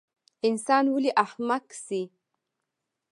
انسان ولۍ احمق سي؟